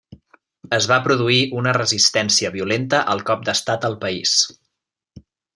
Es va produir una resistència violenta al cop d'estat al país.